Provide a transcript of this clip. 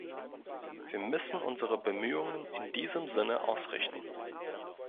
Wir müssen unsere Bemühungen in diesem Sinne ausrichten.